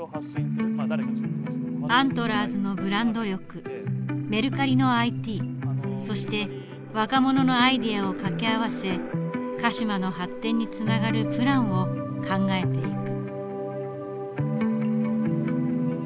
アントラーズのブランド力メルカリのＩＴそして若者のアイデアを掛け合わせカシマの発展につながるプランを考えていく。